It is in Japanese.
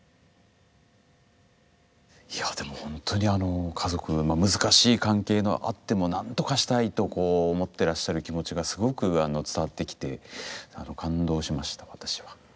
いやでもほんとにあの家族の難しい関係があってもなんとかしたいとこう思ってらっしゃる気持ちがすごく伝わってきて感動しました私は。